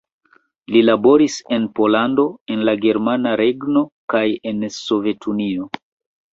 Li laboris en Pollando, en la Germana Regno kaj en Sovetunio.